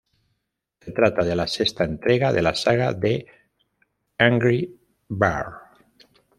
Se trata de la sexta entrega de la saga de "Angry Birds".